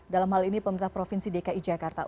dalam hal ini pemerintah provinsi dki jakarta